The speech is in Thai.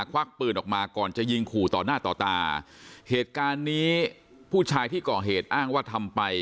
ควักปืนออกมาก่อนจะยิงขู่ต่อหน้าต่อตาเหตุการณ์นี้ผู้ชายที่ก่อเหตุอ้างว่าทำไป